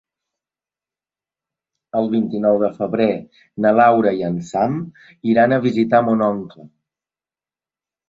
El vint-i-nou de febrer na Laura i en Sam iran a visitar mon oncle.